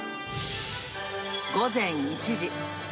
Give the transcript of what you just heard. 午前１時。